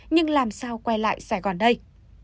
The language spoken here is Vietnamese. nhưng làm sao quay lại sài gòn đây